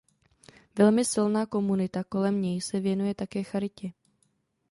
Velmi silná komunita kolem něj se věnuje také charitě.